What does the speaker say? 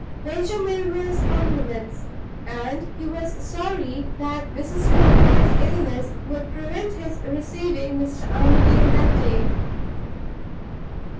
"Major Milroy's compliments, and he was sorry that Mrs. Milroy's illness would prevent his receiving Mr. Armadale that day."